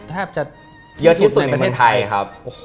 แทบจะเยอะที่สุดในประเทศไทยครับ